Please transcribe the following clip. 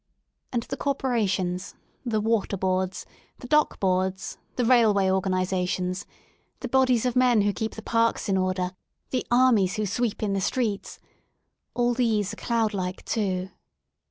And the Corporations, the Water Boards, the Dock Boards, the Railway Organ^ isations, the bodies of men who keep the parks in order, the armies who sweep in the streets — all these are cloudlike too.